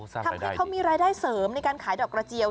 ทำให้เขามีรายได้เสริมในการขายดอกกระเจียว